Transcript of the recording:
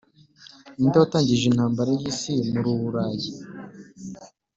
Ninde watangije intambara yisi muruburayi